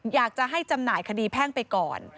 อยากจะให้จำหน่ายคดีแพ่งไปก่อน